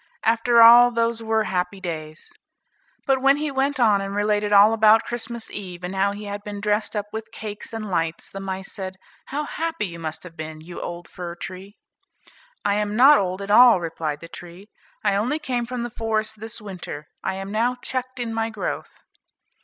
after all those were happy days." But when he went on and related all about Christmas eve, and how he had been dressed up with cakes and lights, the mice said, "How happy you must have been, you old fir tree." "I am not old at all," replied the tree, "I only came from the forest this winter, I am now checked in my growth."